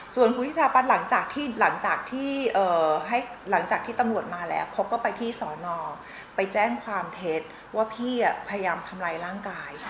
ส่วนคุณพิธาพัฒน์หลังจากที่ให้หลังจากที่ตำรวจมาแล้วเขาก็ไปที่สอนอไปแจ้งความเท็จว่าพี่พยายามทำร้ายร่างกาย